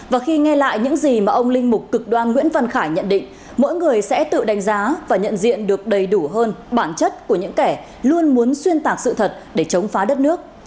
và khi nghe lại những gì mà ông linh mục cực đoan nguyễn văn khải nhận định mỗi người sẽ tự đánh giá và nhận diện được đầy đủ hơn bản chất của những kẻ luôn muốn xuyên tạc sự thật để chống phá đất nước